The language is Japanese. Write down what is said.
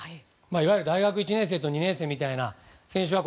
いわゆる大学１年生と２年生みたいな選手が